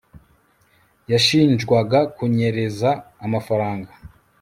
yashinjwaga kunyereza amafaranga